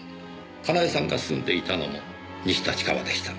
佳苗さんが住んでいたのも西立川でした。